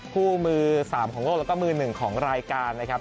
คู่มือ๓ของโลกและมือ๑ของรายการนะครับ